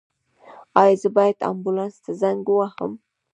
ایا زه باید امبولانس ته زنګ ووهم؟